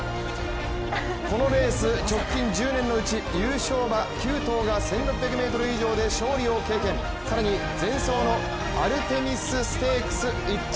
このレース、直近１０年のうち優勝は９頭が１６００ｍ以上で勝利を経験、更に前走のアルテミスステークス１着